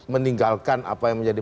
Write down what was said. meninggalkan apa yang menjadi